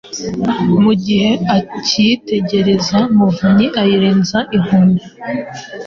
mu gihe akiyitegereza Muvunyi ayirenza inkoni